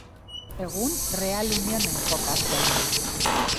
Egun Real Union-en jokatzen du.